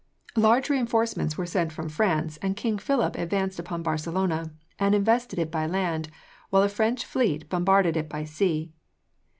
"Large reinforcements were sent from France, and King Philip advanced upon Barcelona, and invested it by land, while a French fleet bombarded it by sea.